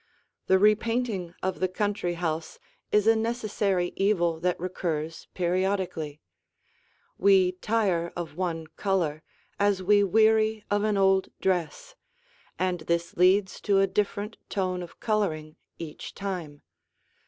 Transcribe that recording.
The repainting of the country house is a necessary evil that recurs periodically. We tire of one color as we weary of an old dress, and this leads to a different tone of coloring each time.